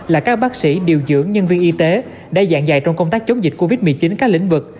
là các bác sĩ điều dưỡng nhân viên y tế đã dạng dày trong công tác chống dịch covid một mươi chín các lĩnh vực